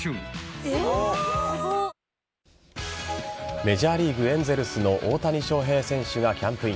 メジャーリーグエンゼルスの大谷翔平選手がキャンプイン。